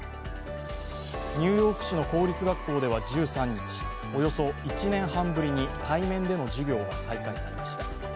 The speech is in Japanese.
ニューヨーク市の公立学校では１３日、およそ１年半ぶりに対面での授業が再開されました。